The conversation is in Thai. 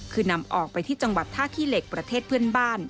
คือนำออกไปที่จังหวัดท่าขี้เหล็กประเทศเพื่อนบ้าน